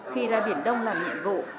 khi ra biển đông làm nhiệm vụ